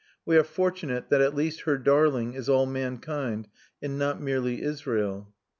We are fortunate that at least her darling is all mankind and not merely Israel.